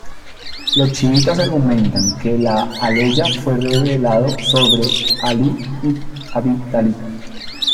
Los chiitas argumentan que la aleya fue revelado sobre Ali ibn Abi Talib.